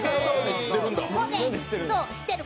知ってる。